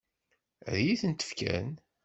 Ad iyi-tent-fken?